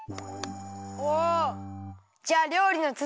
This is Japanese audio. じゃありょうりのつづき！